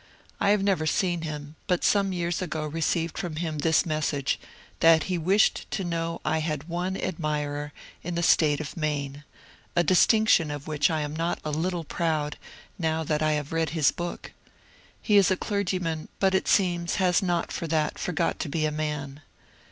I have never seen him, but some years ago received from him this message, ' that he wished me to know I had one admirer in the State of Afaine;' a distinction of which I am not a little proud, now that I have read his book. He is a clergyman, but it seems luis not for that forgot to be a man.